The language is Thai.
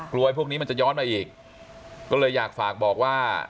ไอ้พวกนี้มันจะย้อนมาอีกก็เลยอยากฝากบอกว่า